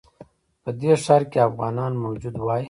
په دې ښار کې افغانان موجود وای.